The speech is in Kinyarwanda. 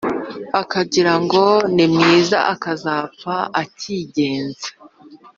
Akagira ngo ni mwiza, Akazapfa akigenza